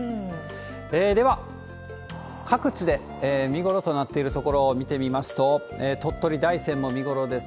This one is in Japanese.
では、各地で見頃となっている所を見てみますと、鳥取・大山も見頃です。